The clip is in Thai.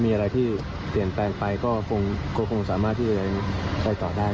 มีอะไรที่เปลี่ยนแปลงไปก็คงสามารถที่จะไปต่อได้